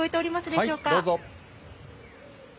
どうぞ。